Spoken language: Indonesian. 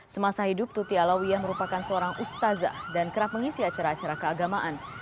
semasa hidup tuti alawiyah merupakan seorang ustazah dan kerap mengisi acara acara keagamaan